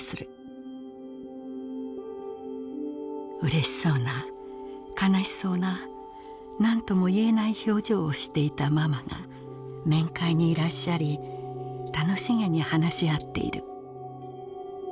「嬉しそうな悲しそうな何とも言えない表情をしていたママが面会にいらっしゃり楽しげに話しあっている」。